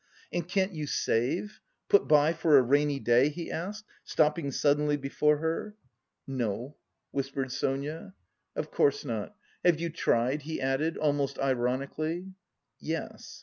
"And can't you save? Put by for a rainy day?" he asked, stopping suddenly before her. "No," whispered Sonia. "Of course not. Have you tried?" he added almost ironically. "Yes."